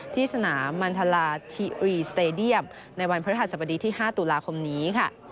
ที่สนามมันทลาธิรีสเตดียมในวันพฤหัสบดีที่๕ตุลาคมนี้ค่ะ